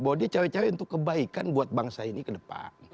bahwa dia cawe cawe untuk kebaikan buat bangsa ini ke depan